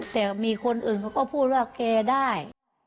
แต่มีคนอื่นเขาก็พูดว่าแกได้